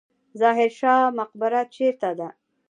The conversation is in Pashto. ظاهر شاه مقبره چیرته ده؟